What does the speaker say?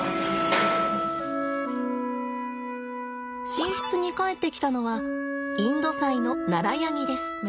寝室に帰ってきたのはインドサイのナラヤニです。